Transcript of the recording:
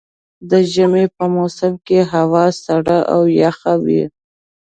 د ژمي په موسم کې هوا سړه او يخه وي.